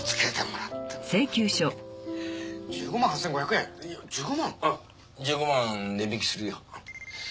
あっ１５万値引きするよ。